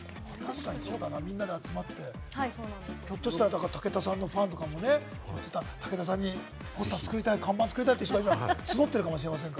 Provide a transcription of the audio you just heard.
みんなが集まってひょっとしたら武田さんのファンも武田さんのポスター作りたい、看板作りたいって方が募ってるかもしれません。